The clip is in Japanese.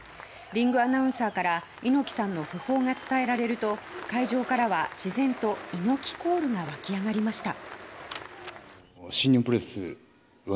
リングアナウンサーから猪木さんの訃報が伝えられると会場からは自然と猪木コールが沸き上がりました。